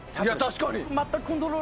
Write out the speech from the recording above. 確かに。